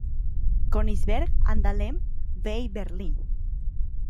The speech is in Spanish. Königsberg and Dahlem bei Berlin".